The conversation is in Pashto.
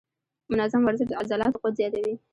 منظم ورزش د عضلاتو قوت زیاتوي.